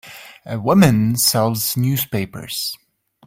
A woman sells newspapers.